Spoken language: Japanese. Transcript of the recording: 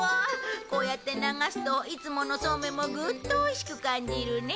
こうやって流すといつものそうめんもぐっとおいしく感じるね。